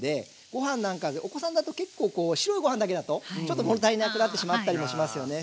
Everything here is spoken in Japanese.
ご飯なんかお子さんだと結構こう白いご飯だけだとちょっと物足りなくなってしまったりもしますよね。